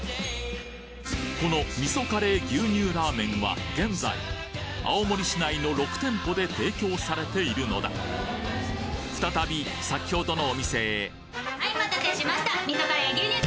この味噌カレー牛乳ラーメンは現在青森市内の６店舗で提供されているのだ再び先程のお店へはいお待たせしました！